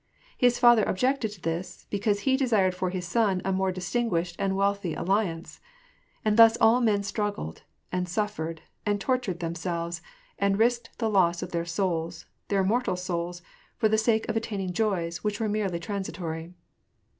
His father objected to this, because he desired for his son a more dis tinguished and wealthy alliance. And thus all men struggled, and suffered, and tortured themselves, and risked the loss of their souls, their immortal souls, for the sake of attaining joys which were merely transitory.